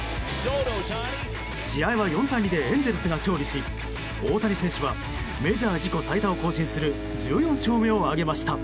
試合は４対２でエンゼルスが勝利し大谷選手はメジャー自己最多を更新する１４勝目を挙げました。